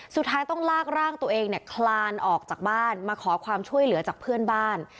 สุดท้ายต้องลากร่างตัวเองเนี่ยคลานออกจากบ้านมาขอความช่วยเหลือจากเพื่อนบ้าน